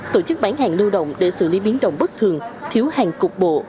tổ chức bán hàng lưu động để xử lý biến động bất thường thiếu hàng cục bộ